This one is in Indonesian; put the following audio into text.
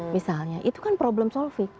misalnya itu kan problem solvi